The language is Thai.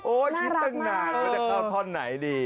โอ้ดิขิตตั้งหน่าไปถ้าเขาท่อนไหนดิ